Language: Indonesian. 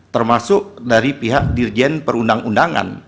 termasuk dari pihak dirjen perundang undangan